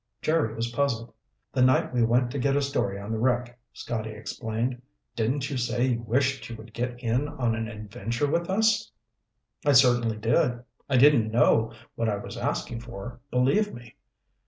Jerry was puzzled. "The night we went to get a story on the wreck," Scotty explained. "Didn't you say you wished you would get in on an adventure with us?" "I certainly did. I didn't know what I was asking for, believe me."